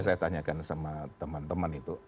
saya tanyakan sama teman teman itu